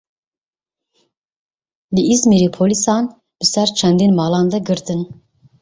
Li Izmîrê polîsan bi ser çendîn malan de girtin.